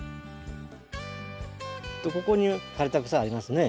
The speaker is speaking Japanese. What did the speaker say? ここに枯れた草ありますね。